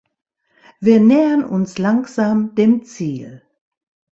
Wir nähern uns langsam dem Ziel.